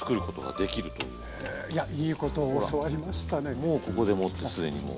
もうここでもって既にもう。